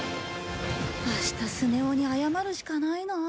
明日スネ夫に謝るしかないな。